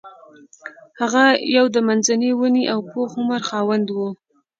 هغه یو د منځني ونې او پوخ عمر خاوند و.